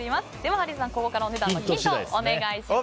ハリーさん、ここからお値段のヒントをお願いします。